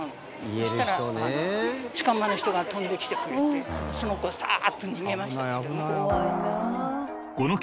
そしたら近場の人が飛んできてくれてその子サーッと逃げましたけどね。